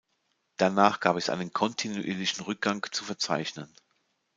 Danach gab es einen kontinuierlichen Rückgang zu verzeichnen.